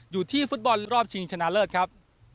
อยู่ที่ฟุตบอลรอบชิงชนะเลิศครับ